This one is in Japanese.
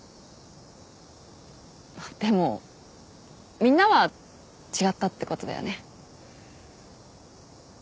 でもみんなは違ったってことだよね。